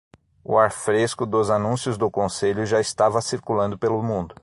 O ar fresco dos anúncios do conselho já estava circulando pelo mundo.